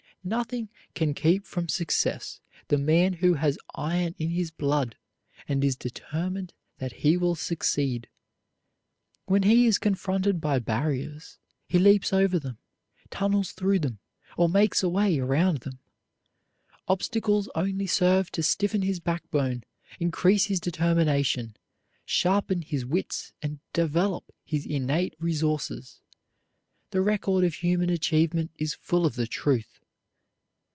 Nothing can keep from success the man who has iron in his blood and is determined that he will succeed. When he is confronted by barriers he leaps over them, tunnels through them, or makes a way around them. Obstacles only serve to stiffen his backbone, increase his determination, sharpen his wits and develop his innate resources. The record of human achievement is full of the truth.